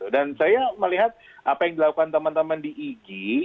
dan saya melihat apa yang dilakukan teman teman di ig